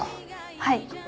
はい。